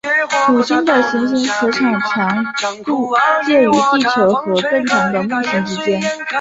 土星的行星磁场强度介于地球和更强的木星之间。